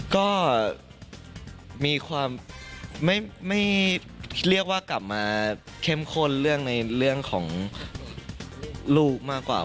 ก็มีความไม่เรียกว่ากลับมาเข้มข้นเรื่องในเรื่องของลูกมากกว่า